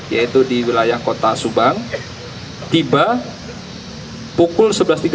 yaitu di wilayah kota subang tiba pukul sebelas tiga puluh